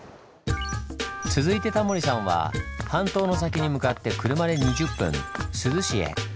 続いてタモリさんは半島の先に向かって車で２０分珠洲市へ。